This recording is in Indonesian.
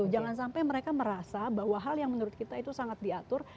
jangan sampai mereka merasa bahwa hal yang menurut kita itu sangat diatur